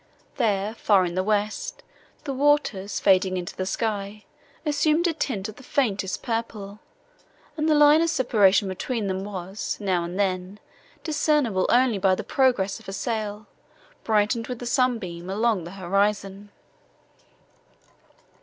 There, far in the west, the waters, fading into the sky, assumed a tint of the faintest purple, and the line of separation between them was, now and then, discernible only by the progress of a sail, brightened with the sunbeam, along the horizon.